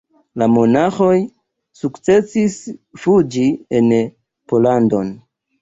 La monaĥoj sukcesis fuĝi en Pollandon.